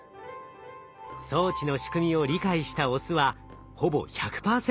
装置の仕組みを理解したオスはほぼ１００％